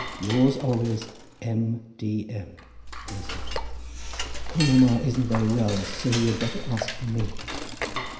Yours always, M. D. M. Thursday. Poor mamma isn't very well, so you had better ask for me.